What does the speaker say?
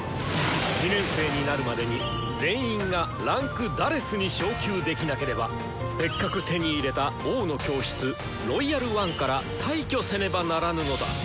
２年生になるまでに全員が位階「４」に昇級できなければせっかく手に入れた「王の教室」「ロイヤル・ワン」から退去せねばならぬのだ！